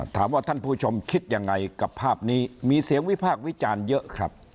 ท่านผู้ชมคิดยังไงกับภาพนี้มีเสียงวิพากษ์วิจารณ์เยอะครับ